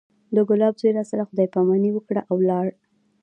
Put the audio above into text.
د ګلاب زوى راسره خداى پاماني وکړه او ولاړ.